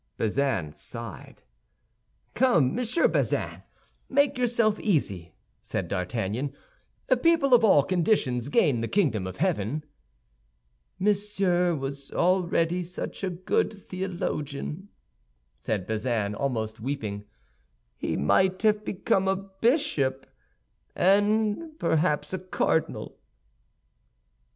Bazin sighed. "Come, Monsieur Bazin, make yourself easy," said D'Artagnan; "people of all conditions gain the kingdom of heaven." "Monsieur was already such a good theologian," said Bazin, almost weeping; "he might have become a bishop, and perhaps a cardinal."